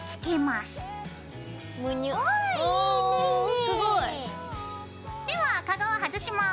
すごい。ではカゴを外します。